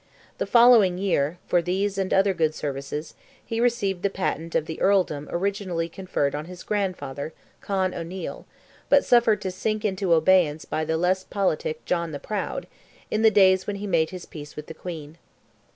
The following year, for these and other good services, he received the patent of the Earldom originally conferred on his grandfather, Con O'Neil, but suffered to sink into abeyance by the less politic "John the Proud," in the days when he made his peace with the Queen.